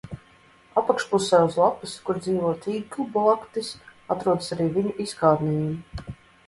Apakšpusē uz lapas, kur dzīvo tīklblaktis, atrodas arī viņu izkārnījumi.